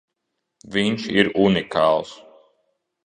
Viņš ir unikāls!